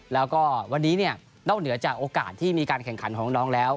แล้วก็วันนี้เนี่ยนอกเหนือจากโอกาสที่มีการแข่งขันของน้องแล้ว